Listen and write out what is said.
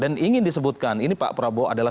dan ingin disebutkan ini pak prabowo adalah